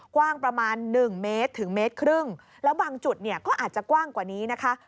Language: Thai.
กว้างประมาณหนึ่งเมตรถึงเมตรครึ่งแล้วบางจุดเนี่ยก็อาจจะกว้างกว่านี้นะคะ